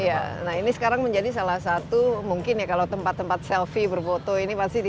ada sekarang menjadi salah satu mungkin ya kalau tempat tempat selfie berfoto ini pasti pernah jadi